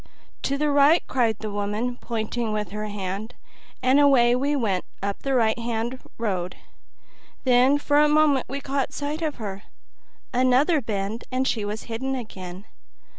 "To the right!" cried the woman, pointing with her hand, and away we went up the right hand road; then for a moment we caught sight of her; another bend and she was hidden again.